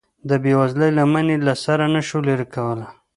د بې وزلۍ لمن یې له سره نشوه لرې کولی.